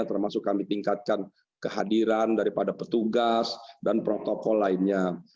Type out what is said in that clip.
termasuk kami tingkatkan kehadiran daripada petugas dan protokol lainnya